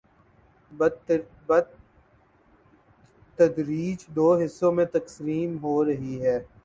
، بتدریج دو حصوں میں تقسیم ہورہی ہی۔